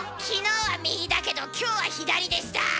昨日は右だけど今日は左でした！